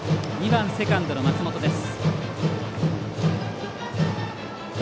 ２番セカンドの松本です。